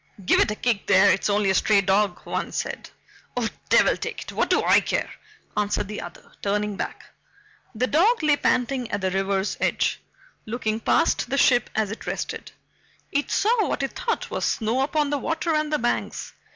"Give it a kick there it's only a stray dog," one said. "Oh devil take it what do I care?" answered the other, turning back. The dog lay panting at the river's edge. Looking past the ship as it rested, it saw what it thought was snow upon the water and the banks.